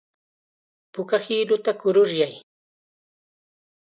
Puka hiluta kururayay.